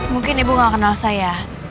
mungkin ibu nggak kenal saya